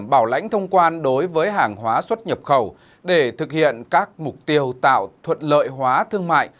bảo lãnh thông quan đối với hàng hóa xuất nhập khẩu để thực hiện các mục tiêu tạo thuận lợi hóa thương mại